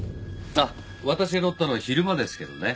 あっ私が乗ったのは昼間ですけどね。